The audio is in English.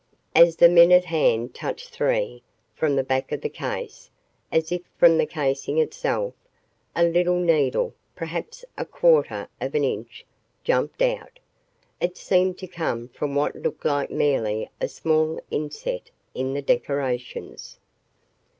As the minute hand touched three, from the back of the case, as if from the casing itself, a little needle, perhaps a quarter of an inch, jumped out. It seemed to come from what looked like merely a small inset in the decorations.